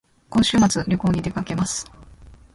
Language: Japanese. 今週末旅行に出かけます